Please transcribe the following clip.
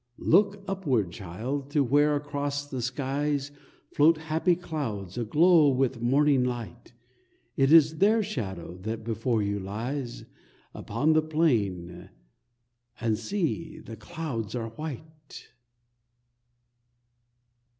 Look upward, Child, to where across the skies Float happy clouds, aglow with morning light! It is their shadow that before you lies Upon the plain, and see, the clouds are white!